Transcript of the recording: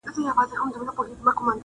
څۀ خبر وم! چې دا ناسته به وروستۍ وي